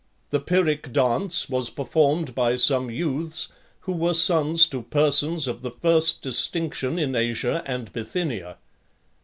The Pyrrhic dance was performed by some youths, who were sons to persons of the first distinction in Asia and Bithynia.